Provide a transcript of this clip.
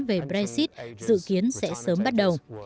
về brexit dự kiến sẽ sớm bắt đầu